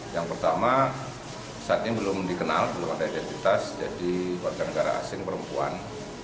yang pertama saat ini belum dikenal belum ada identitas jadi warga negara asing perempuan